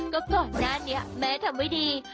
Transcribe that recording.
ก็ก่อนหน้านี้แม่ทำไม่ดี